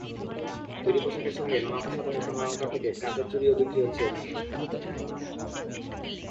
তৈরি পোশাকের সঙ্গে নানা প্রসাধনী, স্বর্ণালংকার থেকে কাচের চুড়িও বিক্রি হচ্ছে এখানে।